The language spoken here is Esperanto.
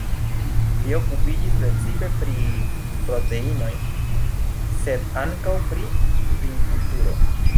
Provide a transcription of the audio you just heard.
Li okupiĝis precipe pri proteinoj, sed ankaŭ pri vinkulturo.